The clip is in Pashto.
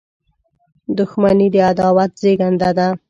• دښمني د عداوت زیږنده ده.